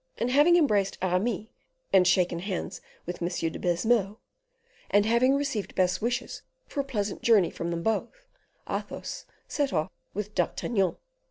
And, having embraced Aramis, and shaken hands with M. de Baisemeaux, and having received best wishes for a pleasant journey from them both, Athos set off with D'Artagnan.